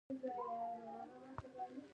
د کور پاکول څومره وخت نیسي؟ شاوخوا دوه ساعته